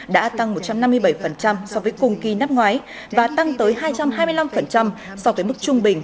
đã tăng một trăm năm mươi bảy so với cùng kỳ năm ngoái và tăng tới hai trăm hai mươi năm so với mức trung bình